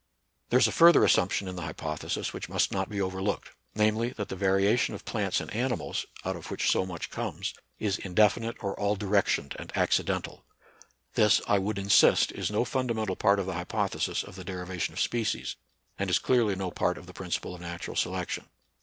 There is a further assumption in the hypo thesis which must not be overlool?;ed ; namely, that the variation of plants and animals, out of which so much comes, is indefinite or all direc tioned and accidental. This, I would insist, is no fundamental part of the hypothesis of the derivation of species, and is clearly no part of the principle of natural selection.